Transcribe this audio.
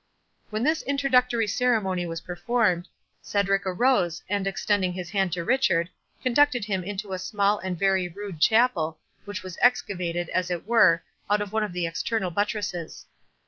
When this introductory ceremony was performed, Cedric arose, and, extending his hand to Richard, conducted him into a small and very rude chapel, which was excavated, as it were, out of one of the external buttresses.